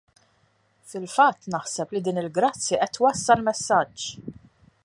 Fil-fatt naħseb li din il-" grazzi " qed twassal messaġġ.